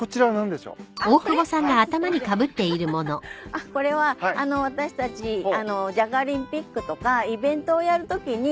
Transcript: あっこれは私たちじゃがリンピックとかイベントをやるときに。